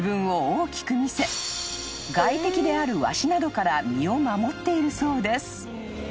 ［外敵であるワシなどから身を守っているそうです］